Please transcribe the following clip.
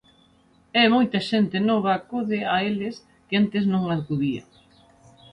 E moita xente nova acode a eles que antes non acudía.